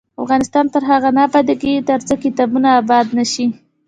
افغانستان تر هغو نه ابادیږي، ترڅو کتابتونونه اباد نشي.